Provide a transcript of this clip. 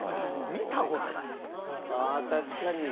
ああ確かに。